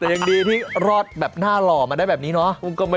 แต่ยังดีที่รอดแบบหน้าหล่อมาได้แบบนี้เนาะ